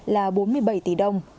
là bốn mươi bảy tỷ đồng